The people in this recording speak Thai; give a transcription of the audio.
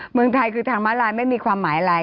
เมืองไทยคือทางม้าลายไม่มีความหมายอะไร